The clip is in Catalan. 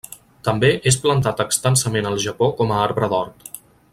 També és plantat extensament al Japó com a arbre d'hort.